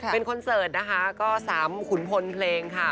เป็นคอนเสิร์ตนะคะก็๓ขุนพลเพลงค่ะ